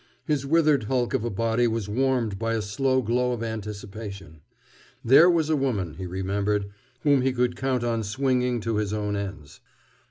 His withered hulk of a body was warmed by a slow glow of anticipation. There was a woman, he remembered, whom he could count on swinging to his own ends.